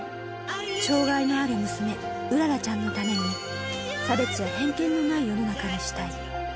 障がいのある娘、麗ちゃんのために、差別や偏見のない世の中にしたい。